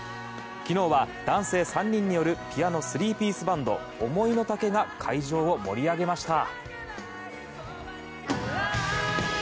昨日は、男性３人によるピアノスリーピースバンドＯｍｏｉｎｏｔａｋｅが会場を盛り上げました。